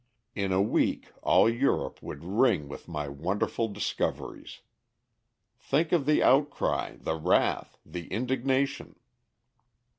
In a week all Europe would ring with my wonderful discoveries. Think of the outcry, the wrath, the indignation!"